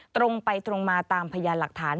ตรงไปตรงมาตามพยานหลักฐาน